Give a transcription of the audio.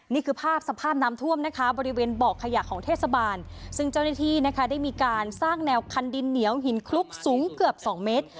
นี่คือภาพสภาพน้ำท่วมนะคะบริเวณบ่อขยะของเทศบาลซึ่งเจ้าหน้าที่นะคะได้มีการสร้างแนวคันดินเหนียวหินคลุกสูงเกือบสองเมตร